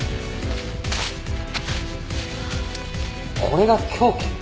これが凶器？